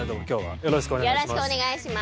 よろしくお願いします。